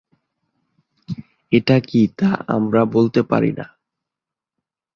এটা কি তা আমরা বলতে পারি না।